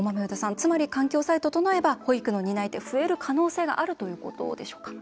つまり、環境さえ整えば保育の担い手は増える可能性があるということでしょうか？